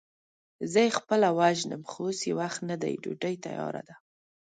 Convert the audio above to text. زه يې خپله وژنم، خو اوس يې وخت نه دی، ډوډۍ تياره ده.